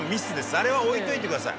あれは置いておいてください。